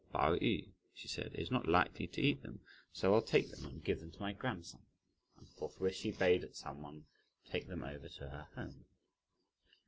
'Pao yü,' she said, 'is not likely to eat them, so I'll take them and give them to my grandson.' And forthwith she bade some one take them over to her home."